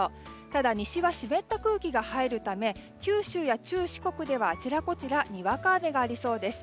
ただ、西は湿った空気が入るため九州や中四国ではあちらこちらでにわか雨がありそうです。